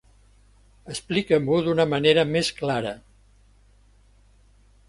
Explica-m'ho d'una manera més clara.